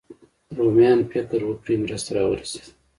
رومیان فکر وکړي مرسته راورسېده.